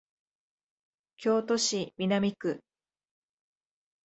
京都市南区